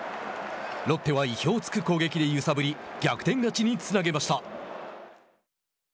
ロッテは意表をつく攻撃で揺さぶり逆転勝ちにつなげました。